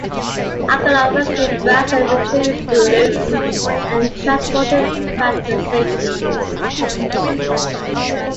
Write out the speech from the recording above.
"Argonaut" rescued Branson, retrieved his balloon and transported it back to safety.